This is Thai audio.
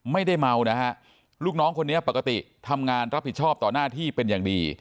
ไม่ได้เมานะฮะลูกน้องคนนี้ปกติทำงานรับผิดชอบต่อหน้าที่เป็นอย่างดี